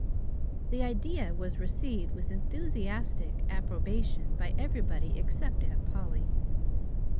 The idea was received with enthusiastic approbation by everybody except Aunt Polly.